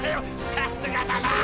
さすがだなあ！